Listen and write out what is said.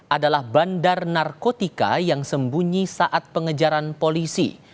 adalah bandar narkotika yang sembunyi saat pengejaran polisi